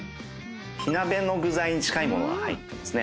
火鍋の具材に近い物が入ってますね。